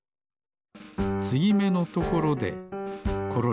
つぎめのところでコロリ。